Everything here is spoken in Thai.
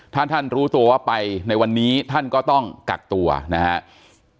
ถ้าท่านรู้ตัวว่าไปในวันนี้ท่านก็ต้องกักตัวนะครับ